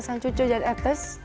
sang cucu jari atas